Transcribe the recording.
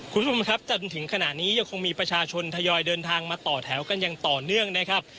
คุณผู้ชมครับจนถึงขณะนี้ยังคงมีประชาชนทยอยเดินทางมาต่อแถวกันอย่างต่อเนื่องนะครับ